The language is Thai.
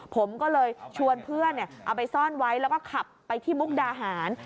ผมก็เลยชวนเพื่อนเอาไปซ่อนไว้แล้วก็ขับไปที่มุกดาหาร